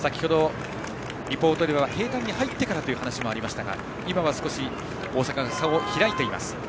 リポートでは平たんに入ってからという話がありましたが今は大阪が差を開いています。